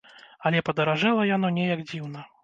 Але падаражэла яно неяк дзіўна.